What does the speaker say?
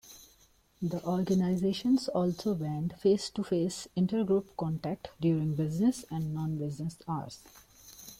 The organizations also banned face-to-face intergroup contact during business and non-business hours.